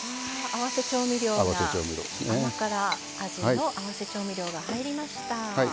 甘辛味の合わせ調味料が入りました。